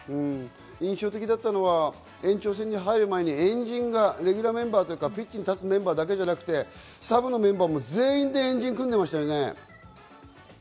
印象的だったのは延長戦に入る前に円陣がレギュラーメンバーとかピッチに立つメンバーだけじゃなくて、サブのメンバーも全員で円陣組んでいましたね。